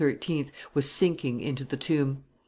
was sinking into the tomb.